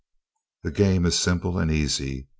The game is simple and easy.